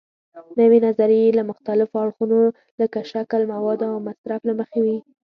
نوې نظریې له مختلفو اړخونو لکه شکل، موادو او مصرف له مخې وي.